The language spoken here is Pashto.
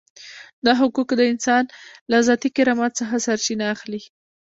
دا حقوق د انسان له ذاتي کرامت څخه سرچینه اخلي.